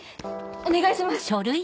お願いします。